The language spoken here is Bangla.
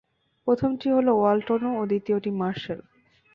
প্রথমটি হলো ওয়ালটন ও দ্বিতীয়টি মার্সেল।